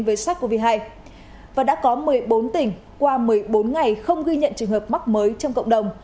với sars cov hai và đã có một mươi bốn tỉnh qua một mươi bốn ngày không ghi nhận trường hợp mắc mới trong cộng đồng